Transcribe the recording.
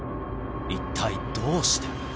一体どうして？